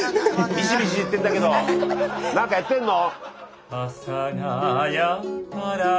ミシミシいってんだけど何かやってんの？